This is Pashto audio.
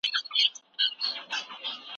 هغه خبري چي په کتاب کې دي وڅېړئ.